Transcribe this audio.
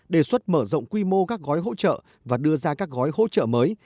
đề xuất mở rộng quy mô các gói hỗ trợ và đưa ra các gói hỗ trợ mới